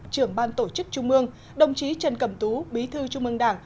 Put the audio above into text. trưởng ban tổ chức trung mương đồng chí trần cầm tú bí thư trung mương đảng